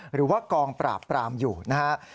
หรือว่ากองปราบปรามอยู่นะครับ